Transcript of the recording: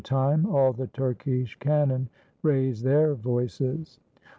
135 RUSSIA time all the Turkish cannon raised their voices.